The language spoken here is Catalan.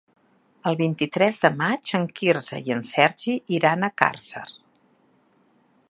El vint-i-tres de maig en Quirze i en Sergi iran a Càrcer.